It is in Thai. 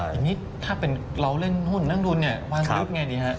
ทีนี้ถ้าเป็นเราเล่นหุ้นนั่งดุลเนี่ยวางยุทธ์ไงดีฮะ